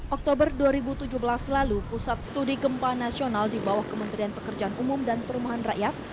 oktober dua ribu tujuh belas lalu pusat studi gempa nasional di bawah kementerian pekerjaan umum dan perumahan rakyat